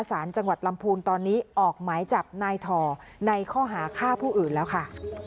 สารจังหวัดลำพูนตอนนี้ออกหมายจับนายถ่อในข้อหาฆ่าผู้อื่นแล้วค่ะ